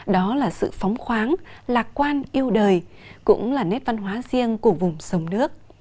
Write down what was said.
đó là sự phóng khoáng lạc quan yêu đời cũng là nét văn hóa riêng của vùng sông nước